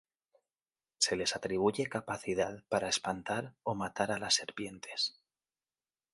Se les atribuye capacidad para espantar o matar a las serpientes.